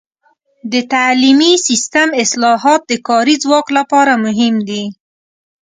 د تعلیمي سیستم اصلاحات د کاري ځواک لپاره مهم دي.